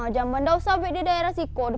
jamban ga usah buat di daerah situ